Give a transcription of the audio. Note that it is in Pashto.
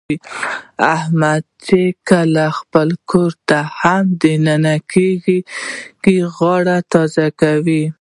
احمد چې کله خپل کورته هم د ننه کېږي، غاړه تازه کوي.